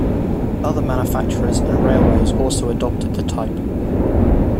Other manufacturers and railways also adopted the type.